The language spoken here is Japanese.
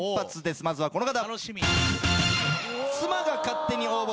まずはこの方。